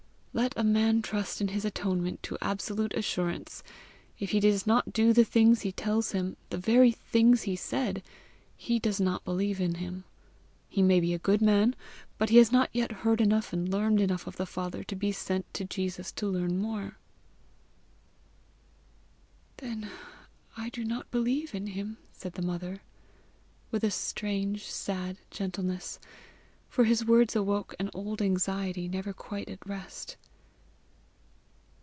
Let a man trust in his atonement to absolute assurance, if he does not do the things he tells him the very things he said he does not believe in him. He may be a good man, but he has not yet heard enough and learned enough of the Father to be sent to Jesus to learn more." "Then I do not believe in him," said the mother, with a strange, sad gentleness for his words awoke an old anxiety never quite at rest.